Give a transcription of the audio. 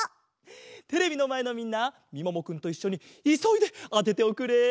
テレビのまえのみんなみももくんといっしょにいそいであてておくれ。